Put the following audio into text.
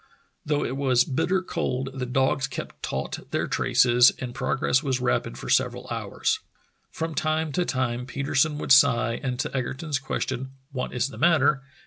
Though it was bitter cold the dogs kept taut their traces and progress was rapid for several hours. From time to time Petersen would sigh, and to Egerton's question, "What is the matter?"